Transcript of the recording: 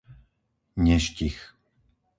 Neštich